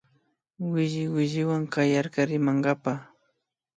Williwilliwan kayarka rimankapa